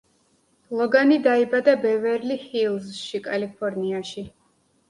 ლოგანი დაიბადა ბევერლი-ჰილზში, კალიფორნიაში.